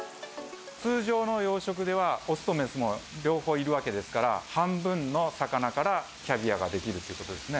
通常の養殖ではオスとメスも両方いるわけですから、半分の魚からキャビアが出来るということですね。